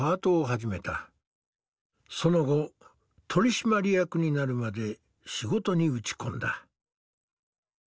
その後取締役になるまで仕事に打ち込んだ。